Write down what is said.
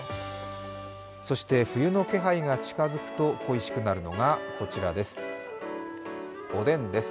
そして、冬の気配が近づくと、恋しくなるのがこちらです。